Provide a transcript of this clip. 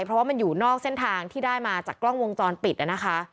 เพราะว่ามันอยู่นอกเส้นทางที่ได้มาจากกล้องวงจรปิดนะคะ